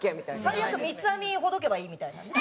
最悪三つ編みほどけばいいみたいなね。